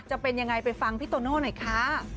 จะเป็นยังไงไปฟังพี่โตโน่หน่อยค่ะ